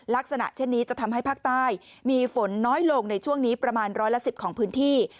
ลักษณะเช่นนี้จะทำให้ภาคใต้มีฝนน้อยลงในช่วงนี้ประมาณร้อยละ๑๐ของพื้นที่